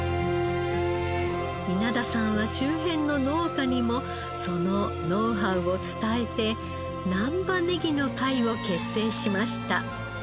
稲田さんは周辺の農家にもそのノウハウを伝えて難波葱の会を結成しました。